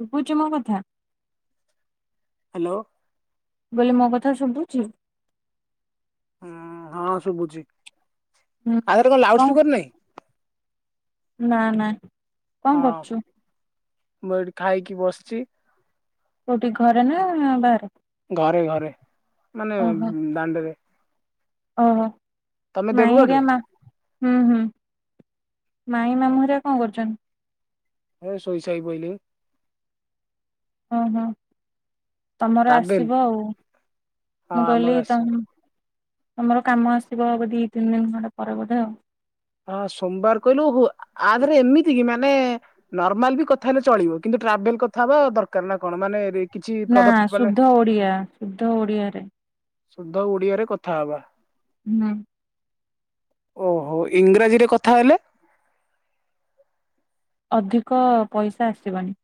ଶୁଭୁଚି ମୋ କଥା? ହାଲୋ। ବୋଲି ମୋ କଥା ଶୁବୁଚି? ହୁଁ ହଁ ଶୁବୁଚି, ହୁଁ ଆଦିହରେ କଣ ଲାଉଡ ସ୍ପିକର ନାଇଁ? ନା ନା। ହଁ, କଣ କରୁଛୁ ମୁଁ ଏଠି ଖାଇକି ବସିଛି। କୋଉଠି ଘରେ ନା ବାହାରେ? ଘରେ ଘରେ ମାନେ ଓହୋ ଦାଣ୍ଡରେ। ଓହୋ, ତମେ ମାଇଁ ହେରିଆ ଦେବଗଡରେ ମା ହୁଁ ହୁଁ। ମାଇଁ ମାମୁଁ ହେରିଆ କଣ କରୁଛନ୍? ହେ ଶୋଇସାଇ ପଇଲେ। ଓ ହ। ତମର ଟ୍ରାଭେଲ ଆସିବ ଆଉ, ହଁ ମୁଁ ଆମର କହିଲି ତ ଆସିବ ତମର କାମ ଆସିବ ଦି ତିନି ଦିନ ଖଣ୍ଡେ ପରେ ବୋଧେ ଆଉ। ହଁ ସୋମବାର କହିଲୁ, ଆଧେରେ ଏମିତି କି ମାନେ ନର୍ମାଲ ବି କଥା ହେଲେ ଚଳିବ କିନ୍ତୁ ଟ୍ରାଭେଲ କଥା ହବା ଦରକାର ନା କଣ ମାନେ କିଛି ନା ପ୍ରଡକ୍ଟ ମାନେ ଶୁଦ୍ଧ ଓଡିଆ, ଶୁଦ୍ଧ ଓଡିଆରେ। ସୁଦ୍ଧ ଓଡିଆରେ କଥା ହବା। ହୁଁ ଓହୋ, ଇଂରାଜୀରେ କଥା ହେଲେ? ଅଧିକ ପଇସା ଆସିବନି।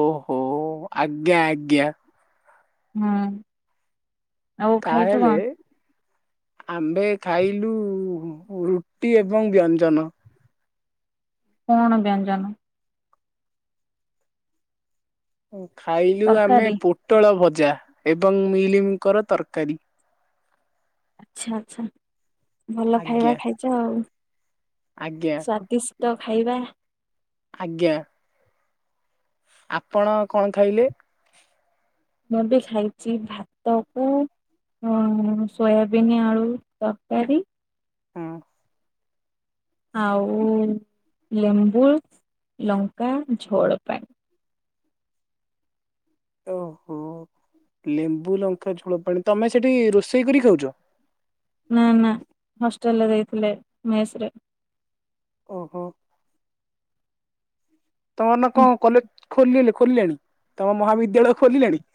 ଓହୋ ଆଜ୍ଞା ଆଜ୍ଞା। ହୁଁ ଆଉ କା ଖାଇଛୁ ଏଲେ। କଣ ଆମ୍ଭେ ଖାଇଲୁ ରୁଟି ଏବଂ ବ୍ୟଞ୍ଜନ। କଣ ବ୍ୟଞ୍ଜନ? ଖାଇଲୁ ଆମେ ତରକାରୀ ପୋଟଳ ଭଜା ଏବଂ ମିଲମିକର ତରକାରୀ। ଆଛା ଆଛା, ଭଲ ଖାଇବା ଆଜ୍ଞା ଖାଇଛ ଆଉ। ଆଜ୍ଞା ସ୍ଵାଦିଷ୍ଟ ଖାଇବା ଆଜ୍ଞା। ଆପଣ କଣ ଖାଇଲେ? ମୁଁ ଏବେ ଖାଇଛି ଭାତ କୁ ସୋୟାବିନ୍ ଆଳୁ ତରକାରୀ। ହୁଁ ଆଉ ଲେମ୍ବୁ, ଲଙ୍କା ଝୋଳ ପାଣି। ଓହୋ ଲେମ୍ବୁ ଲଙ୍କା ଝୋଳ ପାଣି, ତମେ ସେଠି ରୋଷେଇ କର ଖାଉଛ? ନା ନା ହଷ୍ଟେଲରେ ଦେଇଥିଲେ ମେସ ରେ। ଓହୋ। ତମର ନା କଣ କଲେଜ ଖୋିଲ ଖୋଲିଲେଣି ତମ ମହାବିଦ୍ୟାଳୟ ଖୋଲିଲାଣି?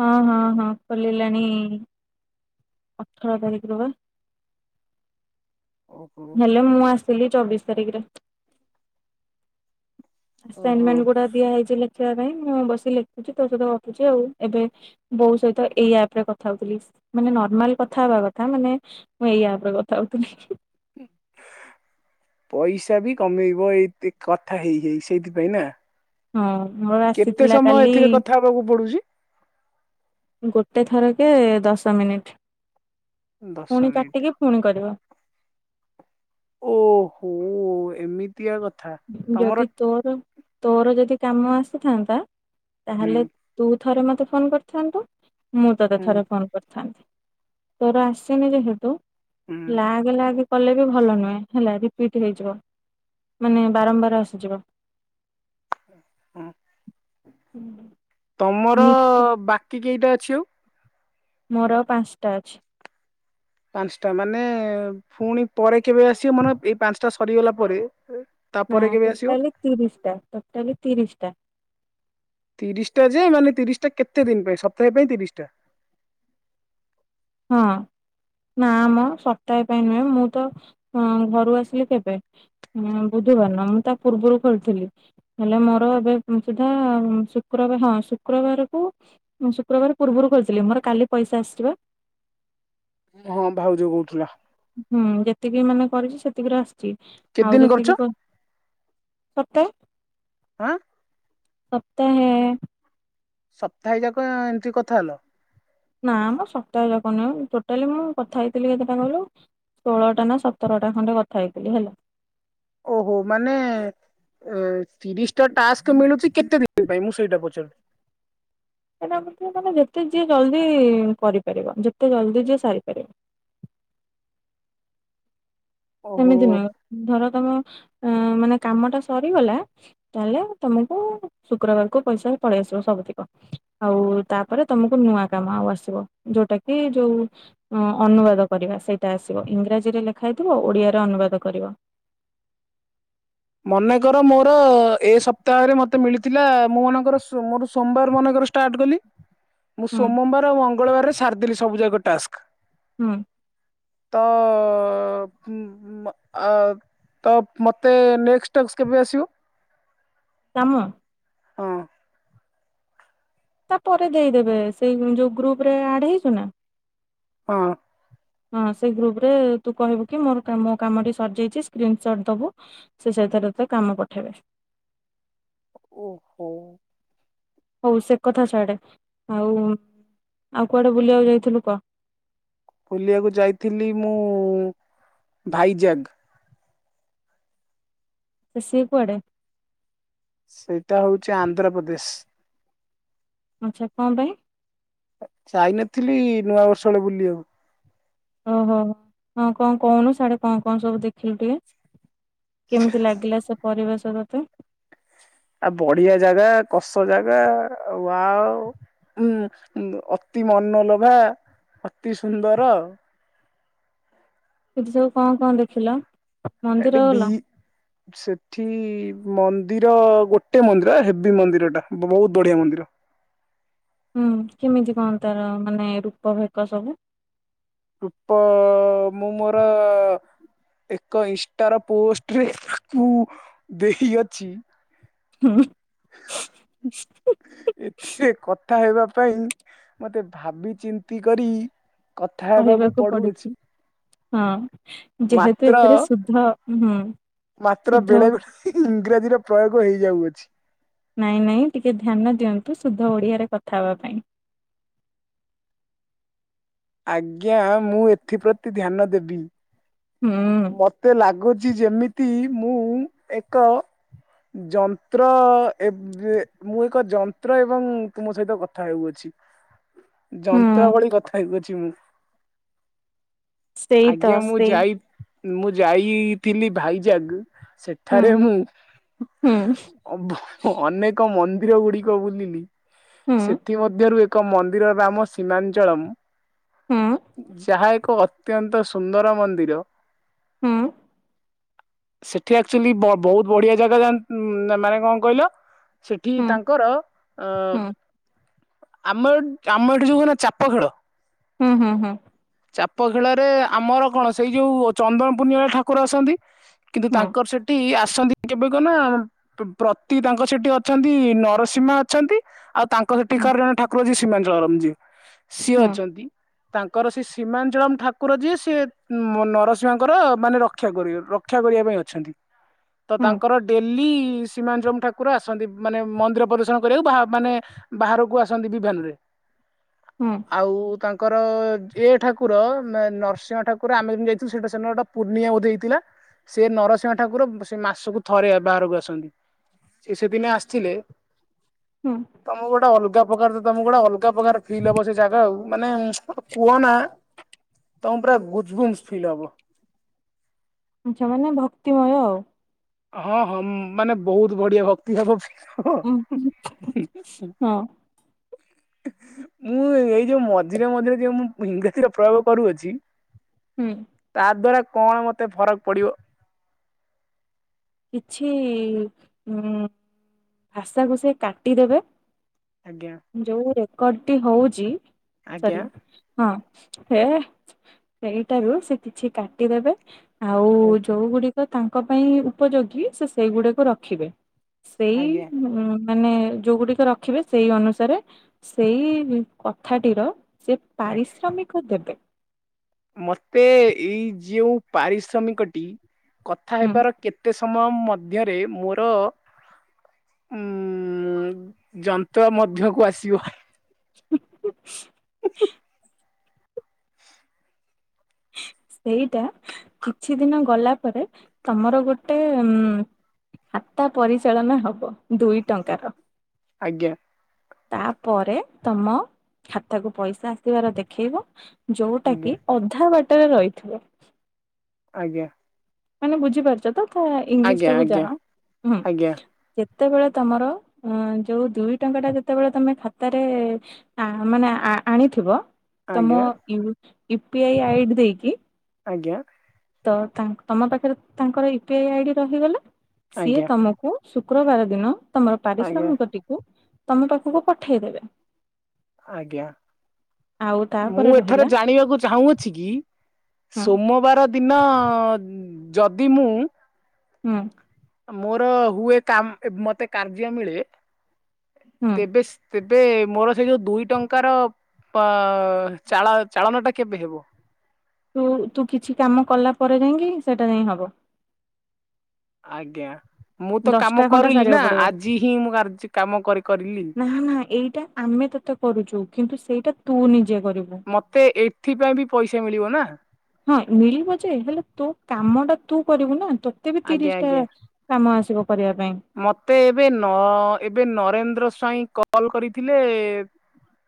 ହଁ ହଁ ହଁ ଖଲିଲାଣି ଅଠର ତାରିଖରୁ ବା। ଓହୋ ହେଲେ ମୁଁ ଆସିଥିଲି ଚବିଶି ତାରିଖରେ। ଓହୋ ଆସାଇନମେଣ୍ଟ ଗୁଡା ଦିଆ ହେଇଛି ଲେଖିବା ପାଇଁ, ମୁଁ ବସି ଲେଖୁଛି, ତୋ ସହିତ ଗପୁଛି ଆଉ, ଏବେ ବୋଉ ସହିତ ଏଇ ଆପ ରେ କଥା ହଉଥିଲି, ମାନେ ନର୍ମାଲ କଥା ହବା କଥା ମାନେ ମୁଁ ଏଇ ଆପରେ କଥା ହଉଥିଲି। ପଇସା ବି କମେଇବ ଏଇ କଥା ହେଇ ହେଇ ସେଇଥିପାଇଁ ନା? ହଁ ମୋର କେତେ ଆସିଥିଲା ସମୟ କାଲି ଏଥିରେ କଥା ହବାକୁ ପଡୁଛି? ଗୋଟେ ଥର କେ ଦଶ ମିନିଟ ଦଶ ପୁଣି ମିନିଟ। କାଟିକି। ପୁଣି କରିବ। ଓହୋ ଏମିତି। ଦୀୟା କଥା। ତମର ଯଦି ତୋର ତୋର ଯଦି କାମ ଆସିଥାନ୍ତା ହୁଁ ତାହେଲେ ତୁ ଥରେ ମତେ ଫୋନ କରିଥାନ୍ତୁ ମୁଁ ତୋତେ ହୁଁ ଥରେ ଫୋନ କରିଥାନ୍ତି। ତୋର ଆସିନି ଯେହେତୁ ହୁଁ ଲାଗେ ଲାଗେ। କଲେ ବି ଭଲ ନୁହେଁ ହେଲା ରିପିଟ୍ ହେଇଯିବ। ମାନେ ବାରମ୍ବାର ଆସିଯିବ। ହୁଁ। ହୁଁ। ତମର ବାକି କେଇଟା ଅଛି ଆଉ। ମୋର ଆଉ ପାଞ୍ଚଟା ଅଛି। ପାଞ୍ଚଟା ମାନେ ପୁଣି ପରେ କେବେ ଆସିବ ମାନେ ଏଇ ପାଞ୍ଚଟା ସରିଗଲା ପରେ ଏ ନା ଟୋଟାଲି ତିରିଶ ଟା ଟୋଟାଲି ତିରିଶ ଟା। ତିରିଶଟା ଯେ ମାନେ ତିରିଶ ଟା କେତେ ଦିନ ପାଇଁ ସପ୍ତାହ ପାଇଁ ତିରିଶ ଟା। ହଁ। ନା ମ ସପ୍ତାହେ ପାଇଁ ନୁହେଁ ମୁଁ ତଅ ଘରୁ ଆସିଲି କେବେ? ହଁ ବୁଧବାର ନା ମୁଁ ତା ପୂର୍ବରୁ ଖୋଲିଥିଲି। ହେଲେ ମୋର ଏବେ ସୁଧା ଶୁକ୍ରବାର ହଁ ଶୁକ୍ରବାରକୁ ମୁଁ ଶୁକ୍ରବାର ପୂର୍ବରୁ କହିଥିଲି ମୋର କାଲି ପଇସା ଆସିିଚିପା। ହଁ ଭାଉଜ କହୁଥିଲା। ହୁଁ ଯେତିକି ମାନେ କରିଛି ସେତିକିରେ ଆସ ଚି କେତେ ଆଉ ଦିନ କରୁଛ ଯେତିକି କ ସତ ଆଁ ସପ୍ତାହେ। ସପ୍ତାହେ ଯାକ ଏମିତି କଥା ହେଲ। ନାମ ସପ୍ତାହ ଯାକ ନୁହଁ ଟୋଟାଲି ମୁଁ କଥା ହେଇଥିଲି କେତେଟା କହିଲୁ। ଷୋହଳଟା ନା ସତରଟା ଖଣ୍ଡେ କଥା ହେଇଥିଲି ହେଲା। ଓହୋ ମାନେ ଅଁ ତିରିଶଟା ଟାସ୍କ ମିଳୁଛି କେତେ ଦିନ ପାଇଁ ମୁଁ ସେଇଟା ପଚାରୁ [unintelligible] ମାନେ ଯେତେ ଯିଏ ଜଲ୍ଦି କରିପାରିବ ଯେତେ ଜଲ୍ଦି ଯିଏ ସାରିପାରିବ। ସେମିତି ଓହୋ ନୁହେଁ ଧର ତମ ଅ ମାନେ କାମ ଟା ସରିଗଲା। ତାହେଲେ ତମକୁ ଶୁକ୍ରବାରକୁ ପଇସା ପଳେଇ ଆସିବ ସବୁତିକ। ଆଉ ତାପରେ ତମକୁ ନୂଆ କାମ ଆଉ ଆସିବ ଯୋଉଟା କି ଯୋଉ ଉଁ ଅନୁବାଦ କରିବା ସେଇଟା ଆସିବ ଇଂରାଜୀରେ ଲେଖା ହେଇଥିବ ଓଡିଆରେ ଅନୁବାଦ କରିବା। ମନେକର ମୋର ଏ ସପ୍ତାହରେ ମତେ ମିଳିଥିଲା ମୁଁ ମନେକର ମୋ ମୋର ସ-ସୋମବାର ମନେକର ଟାଟ କଲି ମୁଁ ହୁଁ ସୋମବାର ଆଉ ମଙ୍ଗଳବାରରେ ସାରିଦେଲି ସୁବୁ ଯାକ ଟାସ୍କ। ହଁ। ତ ଉଁ ଅ ତ ମତେ ନେକ୍ସଟ୍ ଟାସ୍କ କେବେ ଆସିବ? କାମ ହଁ। ତା ପରେ ଦେଇଦେବେ ସେଇ ଯୋଉ ଗ୍ରୁପ ରେ ଆଡ ହେଇଛୁ ନା? ହଁ। ହଁ ସେଇ ଗ୍ରୁପରେ ତୁ କହିବୁ କି ମୋର ମୋ କାମ କାମଟି ସରିଯାଇଛି ସ୍କ୍ରିଣ୍ଟସୋଟ ଦବୁ। ସେ ସେଥିରେ ତତେ କାମ ପଠେଇବେ। ଓହୋ। ହଉ ସେ କଥା ଛାଆଡେ ଆଉ ଆଉ କୁଆଡେ ବୁଲିବାକୁ ଯାଇଥିଲୁ କହ? ବୁଲିବାକୁ ଯାଇଥିଲି ମୁଁ ଭାଇଜାଗ ସିଏ କୁଆଡେ? ସେଇଟା ହଉଛି ଆନ୍ଧ୍ରପ୍ରଦେଶ। ଆଚ୍ଛା କଣ ପାଇଁ? ଯାଇନଥିଲି ନୂଆ ବର୍ଷ ବେଳେ ବୁଲିବାକୁ। ଓହୋ ହଁ କଣ କହୁନୁ ସଡେ କଣ କଣ ସବୁ ଦେଖିଲୁ ଟିକେ? କେମିତି ଲାଗିଲା ସେ ପରିବେଶ ତତେ? ଆଉ ବଢିଆ ଜାଗା କସ ଜାଗା ଆଉ ୱାଓ। ଉଁ ଅତି ମନଲୋଭା ଅତି ସୁନ୍ଦର। କିଦି ସବୁ କଣ କଣ ଦେଖିଲ, ଏଠି ମନ୍ଦିର ବି ଗଲ? ସେଠି ମନ୍ଦିର ଗୋଟେ ମନ୍ଦିର ହେ ହେଭି ମନ୍ଦିର ଟା ବହୁତ ବଢିଆ ମନ୍ଦିର। ହୁଁ କେମିତି କଣ ତାର ମାନେ ରୂପ ଫେକ ସବୁ? ପ ମୁ ମର ଏକ ଇନଷ୍ଟାର ପୋଷ୍ଟରେ [unintelligible] ଦେଇଅଛି। ହୁଁ ଏଥିରେ କଥା ହେବା ପାଇଁ ମତେ ଭାବି ଚିନ୍ତି କରି କଥା ହେବାକୁ କହିବାକୁ ପଡୁଅଛି ପଡୁଛି, ହଁ ଯେହେତୁ ମାତ୍ର ଏଥିରେ ସୁଦ୍ଧ ହୁଁ ମାତ୍ର ଶୁଦ୍ଧ ବେଳେ ବେଳେ ଇଂରାଜୀର ପ୍ରୟୋଗ ହେଇଯାଉଅଛି। ନାଇଁ ନାଇଁ ଟିକେ ଧ୍ୟାନ ଦିଅନ୍ତୁ ସୁଧ ଓଡିଆରେ କଥା ହେବା ପାଇଁ। ଆଜ୍ଞା ମୁଁ ଏଥିପ୍ରତି ଧ୍ୟାନ ଦେବି। ହୁଁ ମୋତେ ଲାଗୁଛି ଯେମିତି ମୁଁ ଏକ ଯନ୍ତ୍ର ଏବେ ମୁଁ ଏକ ଯନ୍ତ୍ର ଏବଂ ତୁମ ସହିତ କଥା ହେଉଅଛି। ଯନ୍ତ୍ରା ହୁଁ ଭଳି କଥା ହେଉଅଛି ମୁଁ। ସେଇ ତ ଆଜ୍ଞା ମୁଁ ସେଇ ଯାଇ ମୁଁ ଯାଇଥିଲି ଭାଇଜାଗ ହୁଁ ସେଠାରେ ମୁଁ ହୁଁ ଅଭ ଅନେକ ମନ୍ଦିର ଗୁଡିକ ବୁଲିଲି। ହୁଁ ସେଥିମଧ୍ୟରୁ କ ମନ୍ଦିର ନାମ ସୀମାଞ୍ଚଳମ ହୁଁ ଯାହା ଏକ ଅତ୍ୟନ୍ତ ସୁନ୍ଦର ମନ୍ଦିର। ହଁ ସେଠି ଆକ୍ଚୁଆଲି ବହୁତ ବଢିଆ ଜାଗା ଯା ମାନେ କଣ କହିଲ? ସେଠି ହୁଁ ତାଙ୍କର ଅ ହୁଁ ଆମ ଆମ ଏଠି ଯୋଉ କ ନା ଚାପ ଖେଳ। ହୁଁ ହୁଁ ହୁଁ। ଚାପ ଖେଳରେ ଆମର କଣ ସେଇ ଯୋଉ ଚନ୍ଦନ ପୂର୍ଣ୍ଣିମା ଠାକୁର ଆସନ୍ତି। କିନ୍ତୁ ହୁଁ ତାଙ୍କର ସେଠି ଆସନ୍ତି କେବେ କୁନା ପ୍ରତି ତାଙ୍କ ସେଠି ଅଛନ୍ତି ନରସିଂମା ଅଛନ୍ତି ଆଉ ତାଙ୍କ ହୁଁ ସେଠିକାର ଜଣେ ଠାକୁରଜୀ ସୀମାଞ୍ଚଳରାମଜୀ ସିଏ ହୁଁ ଅଛନ୍ତି। ତାଙ୍କର ସେ ସୀମାଞ୍ଚଳମ୍ ଠାକୁର ଯିଏ ସିଏ ନରସିଂ [unintelligible] ଙ୍କର ମାନେ ରକ୍ଷାକର ରକ୍ଷା କରିବା ପାଇଁ ଅଛନ୍ତି। ତ ହୁଁ ତାଙ୍କର ଡେଲି ସୀମାଞ୍ଚଳମ୍ ଠାକୁର ଆସନ୍ତିବି। ମାନେ ମନ୍ଦିର ପ୍ରଦର୍ଶନ କରିବାକୁ ବା ମାନେ ବାହାରକୁ ଆସନ୍ତି ବିଭାନରେ। ହୁଁ ଆଉ ତାଙ୍କର ଏ ଠାକୁର ନରସିଂହ ଠାକୁର ଆମେ ଯେମିତି ସେଟା ସେଦିନ ପୁର୍ଣ୍ଣିଆ ବଧେ ହେଇଥିଲା। ସେ ନରସିଂହ ଠାକୁର ସେ ମାସକୁ ଥରେ ବାହାରକୁ ଆସନ୍ତି। ସେ ସେ ଦିନେ ଆସିଥିଲେ। ହଁ। ତମକୁ ଗୋଟେ ଅଲଗା ପ୍ରକାର ତମକୁ ଗୋଟେ ଅଲଗା ପ୍ରକାର ଫିଲ୍ ହବ ସେ ଜାଗା ଆଉ ମାନେ କୁହ ନା ତମ ପୁରା ଗୁଚଗୁଜ ଫିଲ ହବ। ଆଛା ମାନେ ଭକ୍ତିମୟ ଆଉ ହଁ ହଁ ମାନେ ବହୁତ ବଢିଆ ଭକ୍ ଉଁ ହୁଁ [inaudible] ହଁ ମୁଁ ଏଇ ଯୋଉ ମଝିରେ ମଝିରେ ଯୋଉ ମୁଁ ଇଂରାଜୀରେ ପ୍ରୟୋଗ କରୁଅଛି ହୁଁ। ତା ଦ୍ଵାରା କଣ ମତେ ଫରକ ପଡିବ। କିଛି ଉଁ ଭାଷାକୁ ସେ କାଟିଦେବେ। ଆଜ୍ଞା। ଯୋଉ ରେକର୍ଡଟି ହଉଛି ସରି ଆଜ୍ଞା ହଁ ସେ ସେଇଟାରୁ ସେ କିଛି କାଟିଦେବେ। ଆଉ ଯୋଉ ଗୁଡିକ ତାଙ୍କ ପାଇଁ ଉପଯୋଗୀ ସେ ସେଇଗୁଡିକୁ ରଖିବେ। ସେଇ ଆଜ୍ଞା ଉଁ ମାନେ ଯୋଉଗୁଡିକ ରଖିବେ ସେଇ ଅନୁସାରେ ସେଇ କଥାଟିର ସେ ଆ ପାରିଶ୍ରମିକ ଦେବେ। ମତେ ଏଇ ଯଉ ପାରିଶ୍ରମିକଟି କଥା ହୁଁ ହେବାର କେତେ ସମୟ ମଧ୍ୟରେ ମୋର ଉଁ ଯନ୍ତ୍ର ମଧ୍ୟକୁ ଆସିବ। [inaudible] [inaudible] ସେଇଟା କିଛି ଦିନ ଗଲା ପରେ ତମର ଗୋଟେ ଉଁ ଖାତା ପରିଚାଳନା ହବ ଦୁଇ ଟଙ୍କାର। ଆଜ୍ଞା। ତାପରେ ତମ ଖାତାକୁ ପଇସା ଆସିବାର ଦେଖେଇବ ଯଉଟା ଆଜ୍ଞା କିି ଅଧା ବାଟରେ ରହିିଥିବ। ଆଜ୍ଞା। ମାନେ ବୁଝିପାରୁଛ ତ ତା ଆଜ୍ଞା ଇଂଲିଶଟାକୁ ଯାଣହୁଁ। ଆଜ୍ଞା ଯେତେବେଳେ ତମର ଅଁ ଯୋଉ ଦୁଇ ଟଙ୍କାଟା ଯେତେବେଳେ ତମେ ଖାତାରେ ଆ ମାନେ ଆଣିଥିବ ତମ ଆଜ୍ଞା ୟୁ ପି ଆଇ ଆଇଡି ଦେଇକି। ଆଜ୍ଞା। ତ ତା ତମ ପାଖରେ ତାଙ୍କର ୟୁପିଆଇ ଆଇଡି ରହିଗଲା ସିଏ ଆଜ୍ଞା ଆଜ୍ଞା ତମକୁ ଶୁକ୍ରବାର ଦିନ ତମର ଆଜ୍ଞା ଆଜ୍ଞା ପାରିଶ୍ରମିକଟିକୁ ତମ ପାଖକୁ ପଠେଇଦେବେ। ଆଜ୍ଞା ଆଉ ତାପରେ ମୁଁ ରହିଲା ଏଠାରେ ଜାଣିବାକୁ ଚାହୁଁଅଛି କି ହୁଁ ସୋମବାର ଦିନ ଯଦି ମୁଁ ହୁଁ। ମୋର ହୁଏ କାମ୍ ମତେ କାର୍ଯ୍ୟ ମିଳେ ହୁଁ ତେବେ ତେବେ ମୋର ସେଇ ଯୋଉ ଦୁଇ ଟଙ୍କାର ପା ଚାଳା ଚାଳନଟା କେବେ ହେବ? ତୁ ତୁ କିଛି କାମ କଲା ପରେ ଯାଇଁକି ସେଟା ଯାଇଁ ହବ। ଆଜ୍ଞା ମୁଁ ତ ଦଶଟା କାମ ଖଣ୍ଡେ କରିଲି ନା ସାରିବାକୁ ପଡିବ ଆଜି ହିଁ ମୁଁ କାର୍ଯ୍ୟ କାମ କରି କରିଲି। ହାଁ ହାଁ ଏଇଟା ଆମେ ତତେ କରୁଛୁ କିନ୍ତୁ ସେଇଟା ତୁ ନିଜେ କରିବୁ। ମତେ ଏଥିପାଇଁ ବି ପଇସା ମିଳିବ ନା? ହଁ ମିଳିବ ଯେ ହେଲେ ତୋ କାମଟା ତୁ କରିବୁ ନା ତୋତେ ବି ଆଜ୍ଞା ତିରିଶିଟା ଆଜ୍ଞା। କାମ ଆସିବ କରିବା ପାଇଁ। ମତେ ଏବେ ନ ଏବେ ନରେନ୍ଦ୍ର ସ୍ଵାଇଁ କଲ୍ କରିଥିଲେ ଏ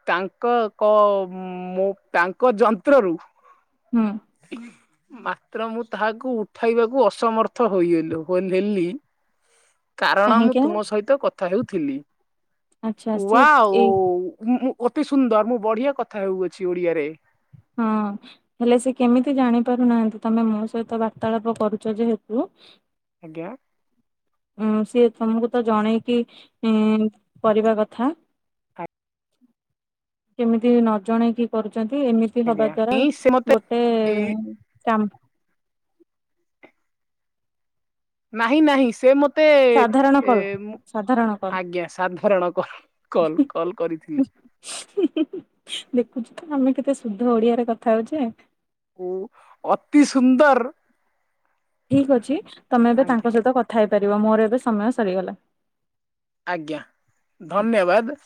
ତାଙ୍କ କ ମୁଁ ତାଙ୍କ ଯନ୍ତ୍ରରୁ ହୁଁ ମା ତ୍ର ର ମୁଁ ତାହାକୁ ଉଠାଇବାକୁ ଅସମର୍ଥ ହୋଇଗଲୁ ହୋ ହେଲି। କାରଣ ମୁଁ କାହିଁକି ନା ତୁମ ସହିତ କଥା ହେଉଥିଲି ଆଚ୍ଛା ସିଏ ୱାଓ ଏଇ ମୁ ଅତି ସୁନ୍ଦର ମୁଁ ବଢିଆ କଥା ହେଉଅଛି ଓଡିଆରେ। ହୁଁ। ହେଲେ ସେ କେମିତି ଜାଣି ପାରୁନାହାଁନ୍ତି ତମେ ମୋ ସହିତ ବାର୍ତ୍ତାଳାପ କରୁଛ ଯେହେତୁ ଆଜ୍ଞା। ଉଁ ସିଏ ତମକୁ ତ ଜଣେଇକି ଇଁ କରିବା କଥା। କେମିତି ନ ଜଣେଇକି କରୁଚନ୍ତି ଏମିତି ହବା ଆଜ୍ଞା ଦ୍ଵାରା ଇଁ ସେ ମତେ ଗୋଟେ ଏଇ କାମ୍ ନାହିଁ ନାହିଁ ସେ ମ ତେ ସାଧାରଣ ଏ କଲ୍ ମୁଁ ସାଧାରଣ କଲ୍ ଆଜ୍ଞା ସାଧାରଣ କଲ କଲ କଲ୍ କରିଥିଲି। ଦେଖୁଛୁ ତ ଆମେ କେତେ ଶୁଧ ଓଡିଆରେ କଥା ହଉଚେ। ଓ ଅତି ସୁନ୍ଦର। ଠିକ ଅଛି ତମେ ଏବେ ଆଜ୍ଞା ତାଙ୍କ ସହିତ କଥା ହେଇପାରିବ ମୋର ଏବେ ସମୟ ସରିଗଲା। ଆଜ୍ଞା ଧନ୍ୟବାଦ।